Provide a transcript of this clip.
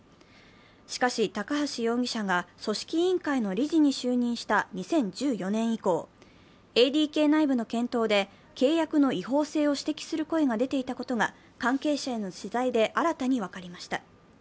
しかし、高橋容疑者が組織委員会の理事に就任した２０１４年以降、ＡＤＫ内部の検討で、契約の違法性を指摘する声が出ていたことが関係者への取材で新たに分かりました。